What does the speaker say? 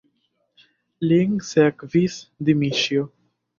Lin sekvis Dmiĉjo.